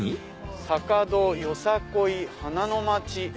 「坂戸よさこい花のまち」。